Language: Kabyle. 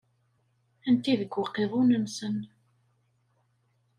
Atni deg uqiḍun-nsen.